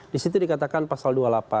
di situ dikatakan pasal dua puluh delapan